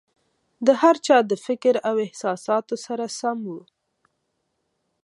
د هر چا د فکر او احساساتو سره سم وو.